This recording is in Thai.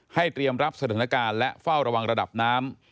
เตรียมรับสถานการณ์และเฝ้าระวังระดับน้ำ